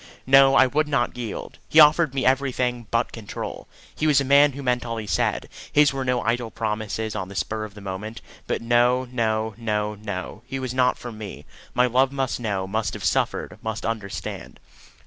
No; I would not yield. He offered me everything but control. He was a man who meant all he said. His were no idle promises on the spur of the moment. But no, no, no, no, he was not for me. My love must know, must have suffered, must understand.